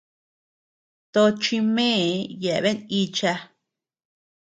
Tochi mee yeabean icha.